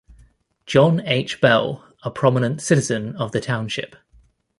John H. Bell, a prominent citizen of the township.